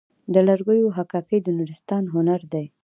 د لرګیو حکاکي د نورستان هنر دی.